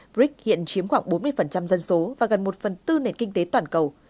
brics hiện chiếm khoảng bốn mươi dân số và gần một phần tư nền kinh tế toàn cầu